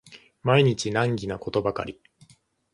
毎日難儀なことばかり